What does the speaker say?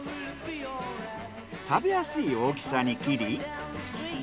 食べやすい大きさに切り。